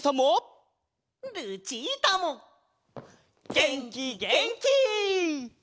げんきげんき！